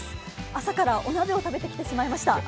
朝からお鍋を食べてきてしまいました。